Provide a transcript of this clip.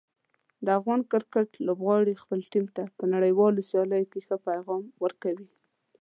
د افغان کرکټ لوبغاړي خپل ټیم ته په نړیوالو سیالیو کې ښه پیغام ورکوي.